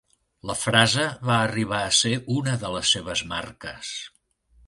La frase va arribar a ser una de les seves marques.